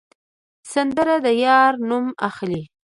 سندره د یار نوم اخلي